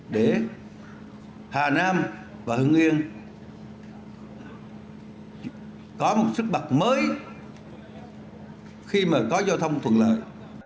để hà nam và hưng yên có một sức mặt mới khi mà có giao thông thuận lợi